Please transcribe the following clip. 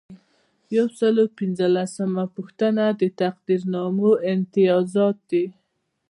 یو سل او پنځلسمه پوښتنه د تقدیرنامو امتیازات دي.